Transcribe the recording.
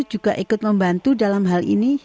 juga ikut membantu dalam hal ini